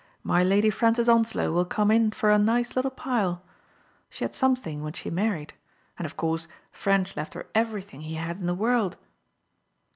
My Lady Francis Onslow will come in for a nice little pile. She had something when she married. And, of course, Ffrench left her everything he had in the world.